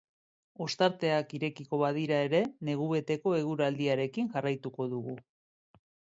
Ostarteak irekiko badira ere, negu beteko eguraldiarekin jarraituko dugu.